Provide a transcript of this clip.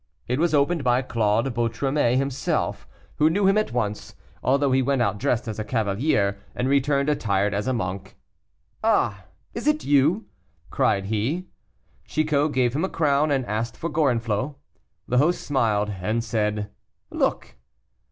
It was opened by Claude Boutromet himself, who knew him at once, although he went out dressed as a cavalier, and returned attired as a monk. "Ah! is it you?" cried he. Chicot gave him a crown, and asked for Gorenflot. The host smiled, and said, "Look!"